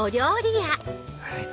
はい。